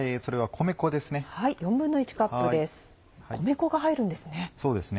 米粉が入るんですね。